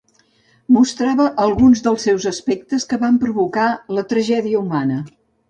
Mostrava alguns dels seus aspectes que van provocar la tragèdia humana.